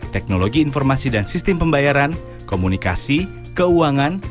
teknologi informasi dan sistem pembayaran komunikasi keuangan